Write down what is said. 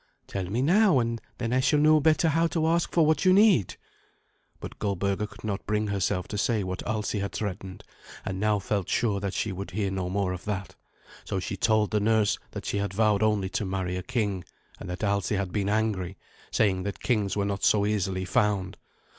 "Tell me now, and then I shall know better how to ask for what you need." But Goldberga could not bring herself to say what Alsi had threatened, and now felt sure that she would hear no more of that. So she told the nurse that she had vowed only to marry a king, and that Alsi had been angry, saying that kings were not so easily found.